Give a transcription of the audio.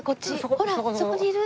ほらそこにいる。